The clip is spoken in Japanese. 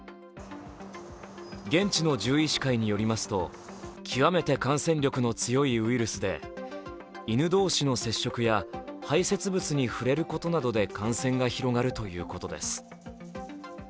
現地の獣医師会によりますと極めて感染力の非常に強いウイルスで犬同士の接触や排せつ物に触れることなどで感染が広がるということです。